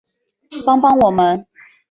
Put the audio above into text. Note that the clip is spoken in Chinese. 帮帮我们